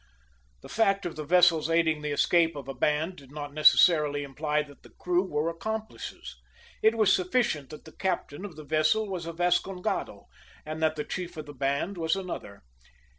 The fact of the vessel's aiding the escape of a band did not necessarily imply that the crew were accomplices. It was sufficient that the captain of the vessel was a Vascongado, and that the chief of the band was another.